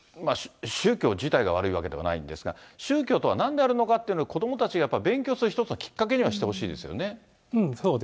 宗教自体が悪いわけではないんですが、宗教とはなんであるのかというのが子どもたちがやっぱ勉強する一つのきっかけにはしてほしいですよね。